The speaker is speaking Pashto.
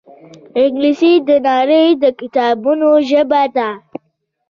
انګلیسي د نړۍ د کتابونو ژبه ده